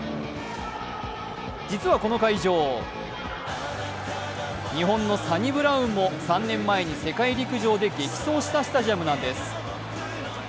実はこの会場、日本のサニブラウンも３年前に世界陸上で激走したスタジアムなんです。